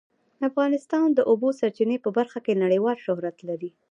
افغانستان د د اوبو سرچینې په برخه کې نړیوال شهرت لري.